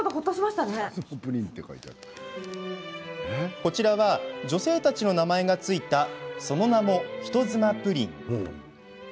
こちらは女性たちの名前が付いたその名も、人妻プリン。